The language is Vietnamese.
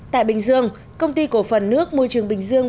tại bình dương công ty cổ phần nước môi trường bình dương